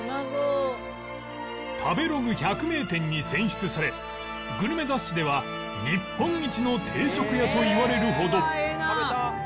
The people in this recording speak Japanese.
食べログ百名店に選出されグルメ雑誌では日本一の定食屋といわれるほど